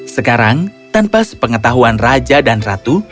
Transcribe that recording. sekarang tanpa sepengetahuan raja dan ratu